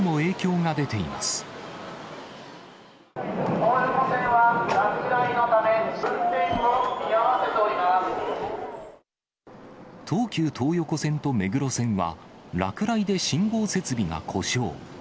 東横線は落雷のため、運転を東急東横線と目黒線は、落雷で信号設備が故障。